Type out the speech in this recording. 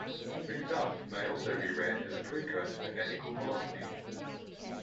Macduff may also be read as a precursor for ethical philosophy.